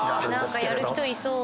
何かやる人いそう。